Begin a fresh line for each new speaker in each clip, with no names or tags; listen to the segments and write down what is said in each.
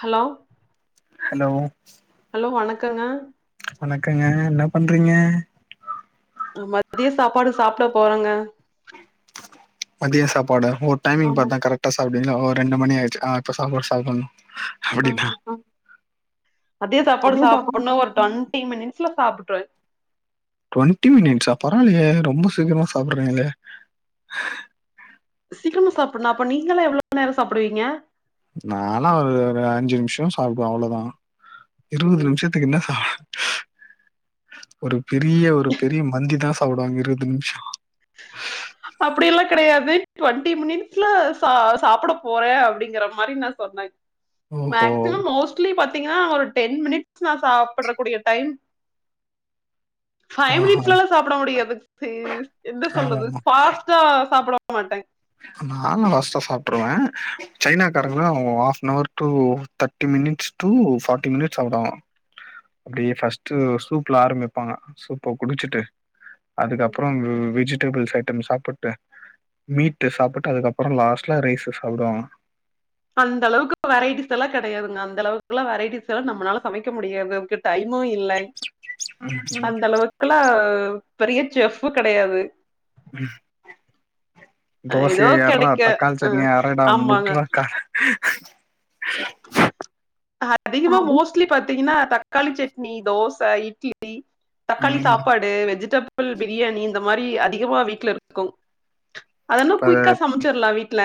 Hello
hello
hello வணக்கங்க
வணக்கங்க என்ன பண்றீங்க
மதியோ சாப்பாடு சாப்ட போறங்க
மதிய சாப்பாடு ஓ டைமிங்
ஆமா
பாத்துதான் கரெக்டா சாப்பிடுவீங்களோ ஒ ரெண்டு மணி ஆயிருச்சு ஆ இப்ப சாப்பாடு சாப்டுங்க
ஆ அதே சாப்பாடு சாப்டனு ஒரு டுவண்ட்டி மினிட்ஸ்ல சாப்டுருவன்
டுவெண்டி மினிட்ஸ்ஸா பரவால்லயே ரொம்ப சீக்கிரமா சாப்பிடறீங்ளே
சீக்கிரமா சாப்பிடறனா அப்ப நீங்கெல்லா எவ்ளோ நேரோ சாப்பிடுவீங்க
நா எல்லா ஒரு அஞ்சு நிமிஷோ சாப்டுவன் அவ்ளதா இருவது நிமிஷோ த்துகுனா சா ஒரு பெரிய ஒரு பெரிய மந்திதா சாப்டுவாங்க இருவது நிமிஷோ
அப்டியெல்லா கெடையாது டுவெண்ட்டி மினிட்ஸ்ல சா சாப்ட போறேன் அப்டிங்கற மாரி நா சொன்ன
ஓஹோ
மேக்சிமம் மோஸ்ட்லி பாத்தீங்கன்னா ஒரு டென் மினிட்ஸ் நா சாப்டறக்கூடிய டைம் ஃபைவ்
ஆஹா
மினிட்ஸ்ல்லா சாப்ட முடியாது என்ன சொல்றது
ஆமாமா
ஃபாஸ்டா சாப்ட மாட்டன்
நானெல்லா ஃபாஸ்ட்டா சாப்டுருவேன் சைனாக்காரங்கல்லா half an hour to thirty minutes to forty minutes சாப்டுவாங்களா அப்டியே ஃபர்ஸ்ட்டு சூப்ல ஆரம்பிப்பாங்க சூப்ப குடிச்சுட்டு அதுக்கப்றோ வெஜிடபிள்ஸ் ஐட்டம் சாப்ட்டு மீட் இத சாப்ட்டு அதுக்கப்றோ லாஸ்ட்ல ரைஸ்ச சாப்டுவாங்க
அந்த அளவுக்கு வெரைட்டீஸ் எல்லா கெடையாதுங்க அந்த அளவுக்கெல்லா வெரைட்டீஸ் எல்லா நம்மளால சமைக்க முடியாது டைமு இல்ல அந்த அளவுக்கெல்லா பெரிய செஃப் கெடையாது
ம்
அ ஏதோ
தோசய எட்றா
கெடைக்க
தக்காளி
அ
சட்னிய அரடா
ஆமாங்க.
முட்டறக்கா [inaudible]
அதிகமா மோஸ்ட்லி பாத்தீங்கன்னா தக்காளி சட்னி தோச, இட்லி தக்காளி
ம்
சாப்பாடு வெஜிடபிள் பிரியாணி இந்த மாரி அதிகமா வீட்ல இருக்கு அதெல்லா
இப்ப
குயிக்கா சமைச்சிடலா வீட்ல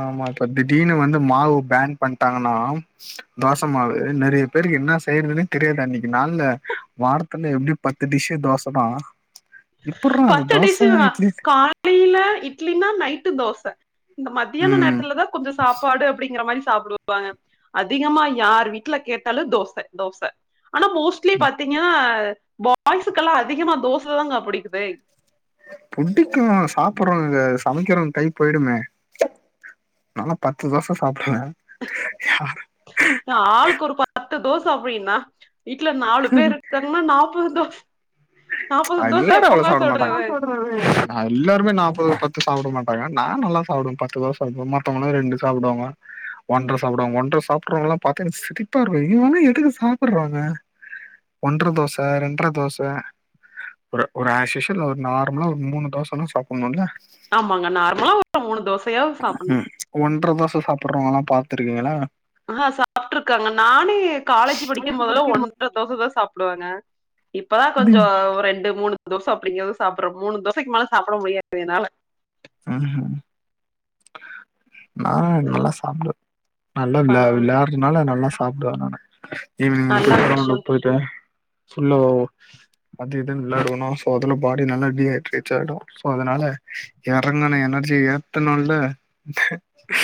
ஆமா இப்ப திடீனு வந்து மாவு பேன் பண்ட்டாங்கனா தோச மாவு நெறயா பேருக்கு என்ன செய்யறதுனே தெரியாது அன்னைக்கு நாள்ல வாரத்ல எப்டி பத்து டிஷ் தோசதா எப்டுறா அந்த தோச இட்லி
இட்லி இல்ல இட்லினா நைட்டு தோச இந்த மத்தியான
ம்
நேரத்துலதா கொஞ்சோ சாப்பாடு அப்டிங்கிற மாரி சாப்டுவாங்க அதிகமா யார் வீட்ல கேட்டாலு தோச தோச ஆனா மோஸ்ட்லி பாத்தீங்கனா பாய்ஸுக்கெல்லா அதிகமா தோசைதாங்க புடிக்குது
புடிக்கு சாப்டுறோ சமைக்கறவங்க கை போய்டுமே நா எல்லா பத்து தோச சாப்டுவேன்
ஆளுக்கொரு பத்து தோச அப்டினா வீட்ல நாலு பேர் இருக்காங்க அப்னா நாப்பது தோச நாப்பது தோச
எல்லாரு அவ்ளோ
எப்பங்க
சாப்ட மாட்டாங்க
சுட்றது
நா எல்லாருமே நாப்பது பத்து சாப்ட மாட்டாங்க நா நல்லா சாப்டுவே பத்து தோச தா மத்தவங்களா ரெண்டு சாப்டுவாங்க ஒன்ர சாப்டுவாங்க ஒன்ர சாப் அறவங்கல்லா பாத்த எனக்கு பாத்தா சிரிப்பா இருக்கு இவங்களா எதுக்கு சாப்புறாங்க ஒன்ர தோச ரெண்ர தோச ஒரு ஒரு ஆஷியூஸ்வல் ஒரு நார்மலா ஒரு மூணு தோசனா சாப்டணுல்ல
ஆமாங்க நார்மலா ஒரு மூணு தோசயா சாப்டணு
ஒன்ர தோச சாப்பிறவங்கல்லா பாத்துருக்கீங்களா
ஆ சாப்ட்ருக்காங்க நானே காலேஜ் படிக்கும் போதுலா ஒன்ர தோசதா சாப்பிடுவாங்க இப்பதா கொஞ்ச ரெண்டு மூணு தோச அப்படிங்கறதும் சாப்பிடுற மூணு தோசக்கு மேல சாப்பிட முடியாது என்னால
ஆஹ நா நல்லா சாப்டுவ நல்லா விளா
பரவால்ல
விளாடு னால நல்லா சாப்டுவ நான ஈவினிங்
நல்ல விஷ்யோ
ரவுண்டுக் போயிட்டு ஃபுல்லா அது இதுவு விளாடுவணுவோ சோ அதுல பாடி நல்லா டீஹைட்ரேட் ஆயிடு சோ அதனால இறங்கன எனர்ஜி ஏத்தணுல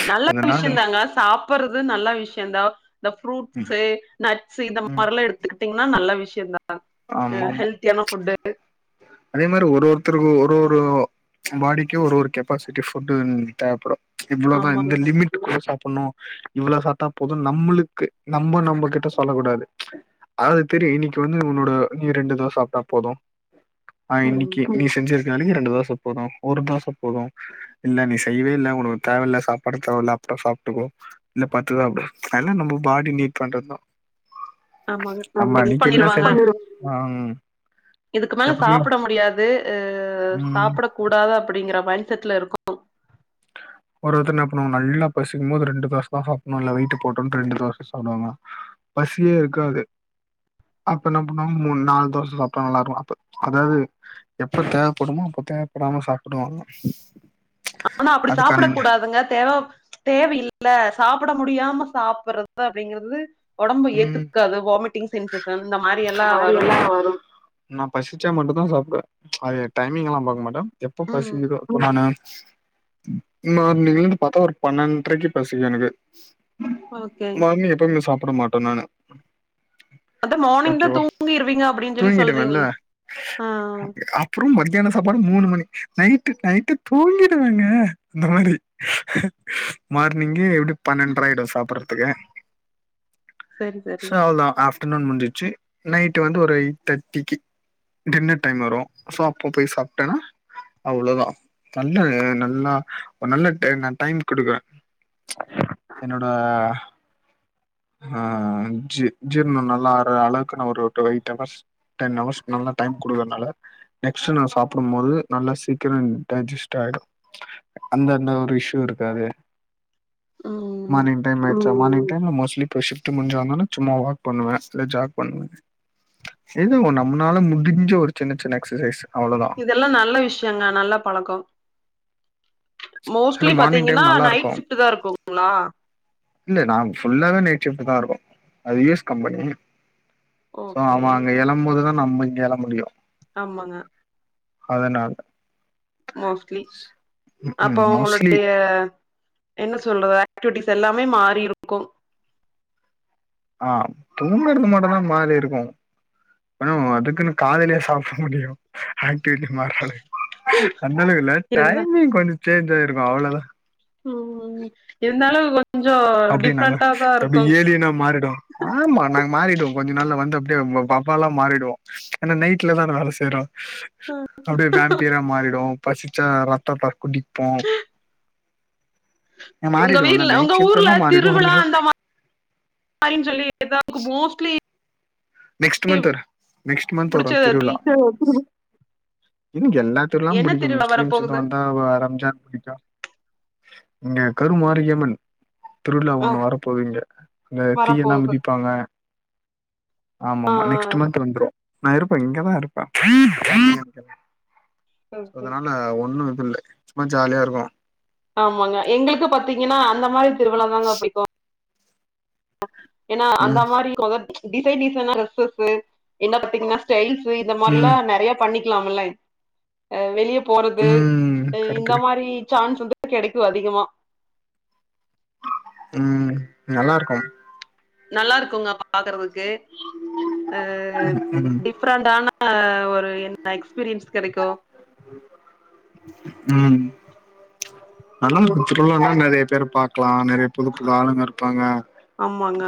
நல்ல விஷயந்தாங்க சாப்பறது நல்ல விஷயந்தா இந்த
ம்
ஃப்ரூட்ஸ் நட்ஸ் இந்த
ம்
மாரிலா எடுத்துக்கிட்டீங்கன்னா நல்ல விஷயந்தா அ
ஆமா ஆமா
ஹெல்த்தியான ஃபுட்டு
அதே மாரி ஒரு ஒருத்தருக்கு ஒரு ஒரு பாடிக்கே ஒரு ஒரு கெப்பாசிட்டி ஃபுட்டு தேவப்படு இவ்வளதா
ஆமாங்க
இந்த லிமிட் குள்ள சாப்புணு இவள சாப்டா போது நம்மளுக்கு நம்ப நம்மப கிட்ட சொல்ல கூடாது அது தெரியு இன்னைக்கி வந்து உன்னோட நீ ரெண்டு தோச சாப்ட்டா போது ஆ
ம்
இன்னைக்கு நீ செஞ்சிரு நாளிக்கி ரெண்டு தோச போது ஒரு தோச போது இல்ல நீ செய்வே இல்ல உனக்கு தேவல்ல சாப்பாடு தேவல அப்ற சாப்ட்டுக்கோ இல்ல பத்துதா அப்டி எல்லா நம்ம பாடி நீட் பண்ரதா
ஆமா பிக்ஸ் பண்ணிருவா ங்க
ஆ ம்
இதுக்கு மேல
எப்பவுமே
சாப்புட முடியாது
ம்
சாப்பிடக் கூடாது அப்டிங்கிற மைண்ட செட்ல இருக்கு
அ ஒரு ஒருத்தர் என்ன பன்னுவாங்க நல்லா பசிக்கும்போது ரெண்டு தோச தா சாப்புணு இல்ல வெயிட்டு போட்று அப்டினு ரெண்டு தோச தா சாப்டுவாங்க பசியே இருக்காது அப்ப என்ன பண்ணாங்க மூண் நால் தோச சாப்ட்டா நல்லா இருக்கு அப்ப அதாது எப்ப தேவப்படுமோ அப்ப தேவப்படாம சாப்டுவாங்க
ஆனா அப்படி சாப்பிட
அதுக்கான
கூடாதுங்க தேவ தேவையில்ல சாப்பிட முடியாம சாப்டுறது அப்டிங்கறது உடம்பு
ம்
ஏத்துக்காது வாமிட்டிங் சென்சசன் அந்த மாரி எல்லா வரு
நா பசிச்சா மட்டு தா சாப்பிடுவ அது டைமிங் எல்லா பாக்க மாட்ட எப்ப
ம்
பசிக்குதோ நானு மார்னிங்ல பாத்தா ஒரு பன்னெண்ரைக்கு பசிக்கு எனக்கு
ஓகே
மார்னிங் எப்பமே சாப்ட மாட்டோ நானு
அதா மார்னிங்
ஓகே
தா
வா
தூங்கிருவீங்க அப்டின்னு சொல்லி
தூங்கிடுவன்ல
சொல்றீங்கல்ல ஆ
அப் அப்புறோ மத்தியான சாப்பாடு மூணு மணி நைட்டு நைட்டு தூங்கிடுவேங்க அந்த மாரி மார்னிங்கு எப்டி பன்னெண்ற ஆயிடு சாப்பறதுக்கு
சரி சரி
ஸோ அவளதா ஆஃப்டர்நூன் முடிஞ்சிச்சு நைட்டு வந்து ஒரு எயிட் தட்டிக்கி டின்னர் டைம் வரு சோ அப்போ போய் சாப்டனா அவ்ளோதா நல்லா நல்லா ஒரு நல்ல டைம் நா டைம் குடுக்கறே என்னோட ஆ ஜி- ஜீர்ண நல்லா ஆறளவுக்கு நா ஒரு to eight hours ten hours நல்லா டைம் குடுக்கறனால நெக்ஸ்ட்டு நா சாப்டும்மோது நல்லா சீக்கிரோ டைஜிஸ்ட் ஆயிடு அந்த அந்த ஒரு இஸ்யூ இருக்காது
ம்
மார்னிங் டைம் ஆயிட்ச்சா மார்னிங் டைம்ல மோஸ்லி ப்போ ஷிஃப்ட்டு முட்ஞ்சு வந்தோனே சும்மா வாக் பண்ணுவே இல்ல ஜாக் பண்ணுவே எதோ நம்னால முடிஞ்ச ஒரு சின்ன சின்ன எக்சசைஸ் அவ்ளோதா
இல்ல நல்ல விஷ்யங்க நல்ல பழக்கோ
ஏன்னா
மோஸ்ட்லி
மார்னிங்
பாத்தீங்கனா
டைம் நல்லா
நைட்
இருக்கு
ஷிஃப்ட்தா இருக்குங்ளா
இல்ல நாங்க ஃபுல்லாவே நைட் சிஃப்ட்டுதா இருக்கு அது U S company so
okay
அவ அங்க எழம் போதுதா நம்ம இங்க எழ முடியு
ஆமங்க
அதனால
மோஸ்ட்லி அப்ப
ம் மோஸ்ட்லி
அவுங்களுடைய என்ன சொல்லுவே ஆக்டிவிட்டிஸ் எல்லாமே மாறி இருக்கு
ஆ தூங்கறது மட்டுந்தா மாறிருக்கு பனோ அதுக்குனு காலைலியா சாப்ட முடியு ஆக்டிவிட்டி மார்றளகு அந்த அளவில்ல
இருந்தா
டைமிங் கொஞ்சோ சேஞ்ச் ஆயிருக்கு அவ்ளோதா
ம் ம் இருந்தாலு கொ
அப்டின்னாங்க எப்டி ஏலியனா மாறிடு ஆமா நாங்க மாறிடுவோ கொஞ்சோ நாள்ல வந்து அப்டியே வ-வவ்வாலா மாறிடுவோ எனா நைட்ல தான வேல செய்றோ அப்டியே வேம்பியரா மாறிடுவோ பசிச்சா ரத்தத்த குடிப்போ எ
உங்க
மாறிடுவல்ல
வீட்ல
நைட்
உங்க
சிஃப்ட்
ஊர்ல திருவிழா அந்த மாரின் சொல்லி எதாவ்து மோஸ்ட்லி
நெக்ஸ்ட்டு மந்த்து ஒரு நெக்ஸ்ட் மந்த்து வரு
புடிச்சது எது
திருவிழா ன் எல்லாத்துர்லாம்
என்ன
புடிக்கு
திருவிழா
முஸ்லிம்ஸ்க்கு
வரப்போகுது
வந்தா வ ரம்ஜான் புடிக்கு இங்க கருமாரியம்மன் திருவிழா
ஆ
ஒன்னு வரப்போது இங்க அந்த தீயெல்லாம்
வரப்போகுது
மிதிப்பாங்க ஆமாமா
ஆ
நெக்ஸ்ட்டு மந்த்து வந்துரு நா இருப்பே இங்கதா இருப்பே [unintelligible]
சரி
சோ
சரி
அதனால ஒன்னு இது இல்ல சும்மா ஜாலியா இருக்கு
ஆமாங்க எங்குளுக்கு பாத்தீங்கனா அந்த மாரி திருவிழா தாங்க புடிக்கு எனா அந்த
ம்
மாரி கொதக் டிசைன் டிசைனா டிரெஸ்சஸ்சு என்னப் பாத்தீங்னா ஸ்டைல்ஸு இந்த மாரிலா
ம்
நெறையாப் பண்ணிக்லாமில்ல அ வெளியப் போறது
ம்
அ இந்த
கரெக்ட்டுங்க
மாரி சான்ஸ் வந்து கெடைக்கு அதிகமா
ம் நல்லாருக்கும்
நல்லாருக்குங்க பாக்கறதுக்கு அ
ம்
டிப் ஃபிரன்ட்டானா ஒரு என்ன எக்ஸ்பீரியன்ஸ் கெடைக்கு
ம் நல்ல ஒரு திருவிழானா நெறையப் பேரப் பாக்லா நெறையப் புது புது ஆளுங்க இருப்பாங்க
ஆமாங்க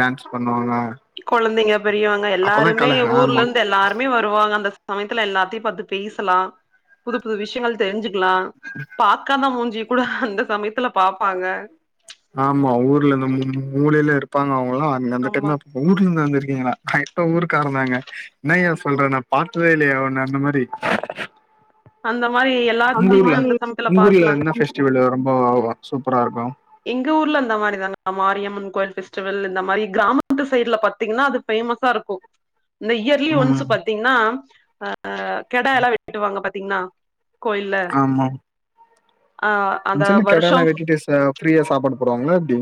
டான்ஸ் பண்ணுவாங்க
கொழந்தைங்க பெரியவங்க
அப்பதா
எல்லாருமே
கல ஆமா
ஊர்லந்து எல்லார் மே வருவாங்க அந்த சமயத்துல எல்லாத்தையு பாத்து பேசலா புது புது விஷ்யங்கள் தெரிஞ்சுக்லா பாக்காத மூஞ்சிய கூட அந்த சமயத்துலப் பாப்பாங்க
ஆமா ஊர்ல இந்த மூ-மூலைல இருப்பாங்க அவுங்களா அன் அந்த
ஆமா
டைம்தா ஊர்லந்து வந்திருக்கீங்களா க இப்ப ஊருக்காரந்தாங்க என்னயா சொல்ற நாப் பாத்ததே இல்லயா உன்ன அந்த மாரி
அந்த மாரி எல்
உங்கூர்ல உங்கூர்ல என்ன ஃபெஸ்டிவல் ரொம்ப சூப்பராருக்கு
எங்க ஊர்ல இந்த மாரி தாங்க மாரியம்மன் கோயில் ஃபெஸ்டிவல் இந்த மாரி கிராமத்து சைட்ல பாத்தீங்கன்னா அது ஃபேமஸா இருக்கு இந்த இயர்லி ஒன்ஸ்சு
ம்
பாத்தீங்கன்னா அ கடாயல்லா வெட்டுவாங்க பாத்தீங்கன்னா கோயில்ல ஆ அந்த
ஆசுலி
வருஷம்
கடலா வெட்டிட்டு சா ஃப்ரீா சாப்பாடு போடுவாங்களா எப்டி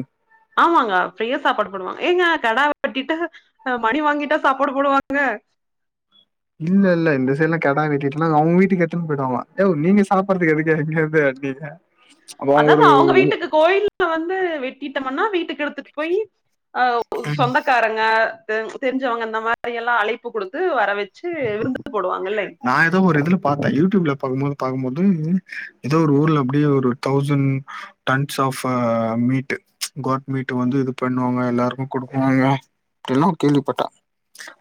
ஆமாங்க ஃப்ரீயா சாப்பாடு போடுவாங்க ஏங்க கடா வெட்டிட்டு அ மணி வாங்கிட்டா சாப்பாடு போடுவாங்க
இல்ல இல்ல இந்த சைட்ல்லா கெடா வெட்டிட்டுலா அவங்க வீட்டுக்கு எத்துனு போயிடுவாங்க யோ நீங்க சாப்பறதுக்கு எதுக்க எங்கது வெட்னீங்க
அதாவது அவங்க வீட்டுக்கு கோயில் வந்து வெட்டிட்டம்ன்னா வீட்டுக்கு எடுத்துட்டு போய்யி அ சொந்த க்காரங்க தெரி தெரிஞ்சவங்க அந்த மாரி எல்லா அழைப்பு குடுத்து வர வச்சு விருந்து போடுவாங்கல்லங்
நா ஏதோ ஒரு இதுல பாத்தே யூடியூப்ல பாரும்போது பாக்கும்போது ஏதோ ஒரு ஊர்ல அப்டியே ஒரு தௌசண்ட் டன்ஸ் ஆப்ப மீட் காட் மீட் வந்து இது பண்ணுவாங்க எல்லாருக்கு குடுக்குவாங்க இப்படில்லா கேள்விப்பட்டா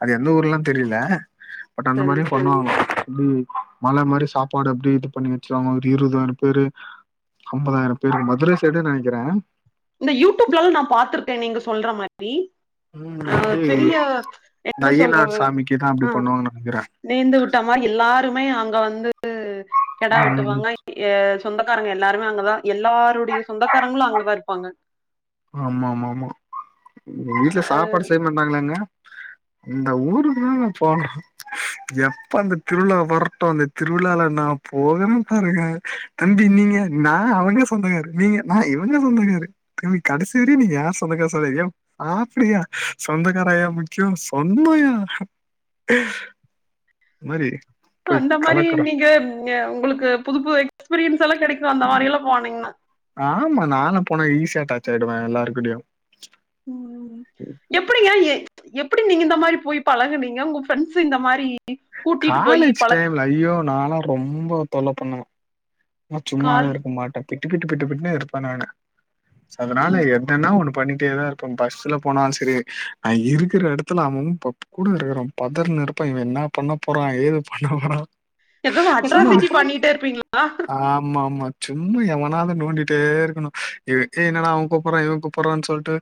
அது எந்த ஊர்லா தெரியல பட் அந்த
சரி.
மாரி பண்ணுவாங்க எப்டி மழ மாரி சாப்பாடு அப்படி இது பண்ணி வச்சிருவாங்க ஒரு இருபதாயிரம் பேரு ஐம்பதாயிரம் பேரு மதுர சைடுன்னு நெனைக்கிறே
இந்த யூடியூப்லல்லா நா பாத்திருக்கே நீங்க சொல்ற மாரி
ம்
ஆ
அப்டி
பெரிய
இந்த
என்ன
ஐயனார்
சொல்றது
சாமிக்கு தான் அப்டி
அ
பண்ணுவாங்கன்னு நெனைக்கிறேன்
நேந்து விட்டமா எல்லாருமே அங்க வந்து கெடா
ம்
வெட்டுவாங்க எ சொந்தக்காரங்க எல்லாருமே அங்கதா எல்லாருடைய சொந்தக்காரங்களு அங்கதா இருப்பாங்க
ஆமா ஆமா ஆமா வீட்டுல
அ
சாப்பாடு செய்ய மாட்டாங்களாங்க இந்த ஊருக்குதா போனோ எப்ப அந்த திருவிழா வரட்டு அந்த திருவிழால நா போகன்னு பாருங்க தம்பி நீங்க நா அவங்க சொந்தக்காரு நீங்க நா இவங்க சொந்தக்காரு தம்பி கடைசி வரியு நீ யா சொந்தக்கா சொல்லயே ஆப்டியா சொந்தக்காராயா முக்கியோ சொன்னயா [inaudible] மாரி போய்
அந்த மாரி
கலக்குறோ
நீங்க உங்களுக்கு புது புது எக்ஸ்பீரியன்ஸ் எல்லா கெடைக்கு அந்த மாரி எல்லா போனீங்கன்னா
ஆமா நானா போனா ஈஸியா அட்டாச் ஆயிடுவே எல்லாருக்கூடயு
ம் ம் எப்படிங்க எ எப்டி நீங்க இந்த மாரி போய் பழகுனீங்க உங்க ப்ரெண்ட்ஸ் இந்த மாரி கூட்டிட்டு போய்
காலேஜ்
பழக்
டைம்ல ஐயோ நாளா ரொம்ப தொல்ல பண்ணுவே ந சும்மாவே
கால்
இருக்க மாட்ட பிட்டுக்கிட்டு பட்டு பிட்டுனே இருப்பே நானு சோ அதனால
ம்.
எதனா ஒண்ணு பண்ணிட்டேதா இருக்கு இப்பம் பஸ்ல போனாலு சரி நா இருக்கிற எடத்துல அவும் பப் கூட இருக்கிறவ பதர்னு இருப்பாய்ங்க இவ என்ன பண்ண போறா ஏது பண்ண போறா
எதாவா அட்ராசிட்டி பண்ணிட்டே இருப்பீங்களா
ஆமா ஆமா சும்மா எவனாது நோண்டிட்டே இருக்கணு ஏ என்னடா அவ கூப்புறா இவ கூப்புறான்னு சொல்லிட்டு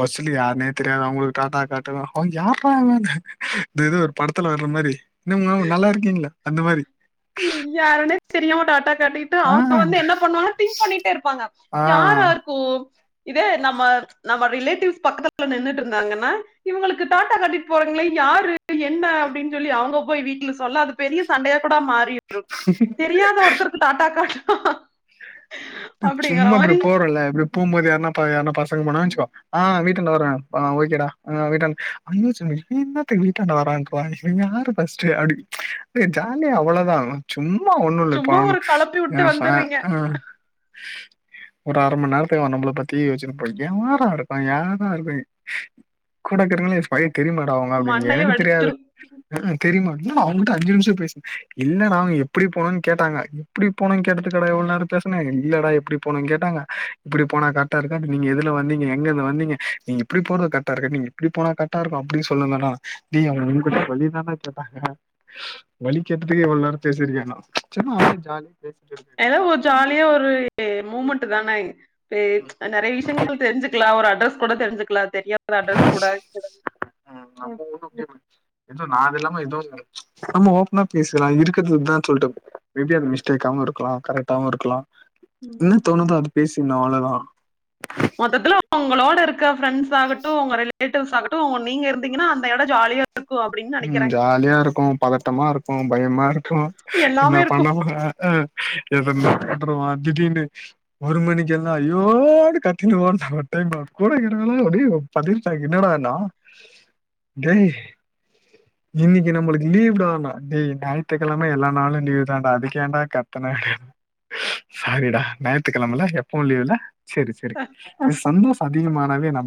பஸ்சுல யார்னே தெரியாது அவங்களுக்கு டாட்டா காட்டு அவ யார்றா அவ இந்த ஏதோ ஒரு படத்துல வர்ற மாரி என்ன மாம் நல்லா இருக்கீங்களா அந்த மாரி
இ யாருனே தெரியாம டாட்டா காட்டி
ஆ,
அவங்க வந்து என்ன பண்ணுவ திங்க் பண்ணிட்டே இருப்பாங்க
ஆ.
யாரா இருக்கு இதே நம்ம நம்ம ரிலேட்டிவ்ஸ் பக்கத்துல நின்னுட்டு இருந்தாங்கன்னா இவுங்களுக்கு டாடா காட்டிட் போறங்களே யாரு என்ன அப்டின்னு சொல்லி அவுங்க போய் வீட்ல சொல்ல அதுக் பெரிய சண்டையா கூட மாறிரு தெரியாத ஒருத்தருக்கு டாட்டா காட்னா
சும்மா இப்டி போறோல இப்டி போகுபோது யார்னா ப யார்னா பசங்க போனா வச்சுக்கோ ஆ வீட்டுன்ட வரே ஆ ஓகேடா ஆ வீட்டான் [unintelligible] இவ என்னத்துக்கு வீட்டான்ட வரான்டு [unintelligible] யாரு ஃபஸ்டு அப்டி ஜாலியா அவ்ளோதா சும்மா ஒண்ணு இல்ல இப்ப
சும்மா
அவனு
ஒரு கலப்பி
ஏ
விட்டு
ச
வந்துடுறீங்க
ஆ ஒரு அர ம நேரத்துக்கு அவ நம்மள பத்தி யோச்சுனுபோய்க யாரா இருப்பா யாரா இருப்பை கூட இருக்கதுங்களே ஸ்பைன் தெரியுமாடா அவுங்க அப்டின்னு
மண்டைய
எனக்கு
வெடி
தெரியாது ம் ம் தெரிமா என்னடா அவுங்கள்ட்ட அஞ்சு நிமிஷ பேஸ் இல்ல னா அவுங்க எப்பிடி போனுன்னு கேட்டாங்க எப்பிடி போனுன்னு கேட்டதுக் இல்லடா இவ்ளோ நேரோ பேசுன இல்லடா எப்பிடி போனுன்னு கேட்டாங்க இப்பிடி போனா கரெட்டா இருக்காது நீங்க எதுல வந்தீங்க எங்க இருந்து வந்தீங்க நீங்க இப்டி போறது கரெட்டா இருக்கா நீங்க இப்டி போனா கரெட்டா இருக்கு அப்டி சொன்னனா நா தி அவுங்க எங்கிட்ட வழி தான்டா கேட்டாங்க வலி கேட்டதுக்கே இவ்ளோ நேரோ பேசிருக்கே நா சும்மா அப்டியே ஜாலியா பேசிட்டு இருக்கே
எதோ ஒரு ஜாலியா ஒரு மூமெண்ட்டு தானே பே
ம்,
அ நெறையா விஷயங்கள் தெரிஞ்சுக்கலா ஒரு அட்ரஸ் கூட தெரிஞ்சுக்கலா தெரியாத அட்ரஸ் கூட
ம் நம்ம கூட [unintelligible] எது நா அது இல்லாம எதுவு இல்ல நம்ம ஓபனா பேசலா இருக்கிறது இதான் சொல்ட்டு மே பி அது மிஸ்டேக்காவு இருக்கலா கரெட்டாவு இருக்கலா என்ன தோணுதோ அத பேசிடுனு அவ்ளோதா
மொத்தத்துல ஒங்களோட இருக்க ஃப்ரண்ட்ஸ் ஆகட்டு ஒங்க ரிலேட்டிவ்ஸ் ஆகட்டு ஒ நீங்க இருந்தீங்கன்னா அந்த இட ஜாலியா இருக்கும் அப்படின்னு
ம்
நெனைக்கிறேன்
ஜாலியா இருக்கு பதட்டமா இருக்கு பயமா இருக்கு என்ன
எல்லாமே
பண்ண
இருக்கும்
போற அ எதுனா த்துருவா திடீர்னு ஒரு மணிக்கெல்லா ஐயோனு கத்தின்டு ஓட்ணு ஒர் டைம் கூல இருக்கல [inaudible] பதறிட்டா என்னடானா டேய் இன்னக்கி நம்மளுக்கு லீவுடான்னா டேய் ஞாயித்துக்கிழம எல்லா நாளு லீவு தான்டா அதுக்கு ஏன்டா கத்துன சாரிடா ஞாயித்துக்கிழமல எப்பவு லீவுல சேரி சேரி அ சந்தோஷ அதிகமானாவே நம்ப